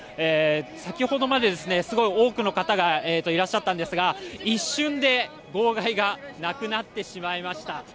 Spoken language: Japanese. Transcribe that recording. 先ほどまで、すごい多くの方がいらっしゃったんですが一瞬で号外がなくなってしまいました。